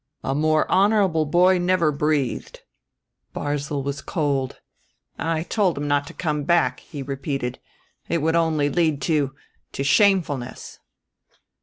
"A more honorable boy never breathed." Barzil was cold. "I told him not to come back," he repeated; "it would only lead to to shamefulness."